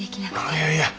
いやいや！